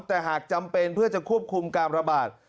แต่หากจำเป็นเพื่อจะควบคุมการระบาด